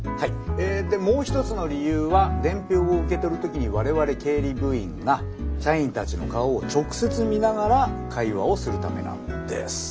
えでもう一つの理由は伝票を受け取る時に我々経理部員が社員たちの顔を直接見ながら会話をするためなんです。